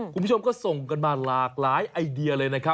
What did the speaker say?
คุณผู้ชมก็ส่งกันมาหลากหลายไอเดียเลยนะครับ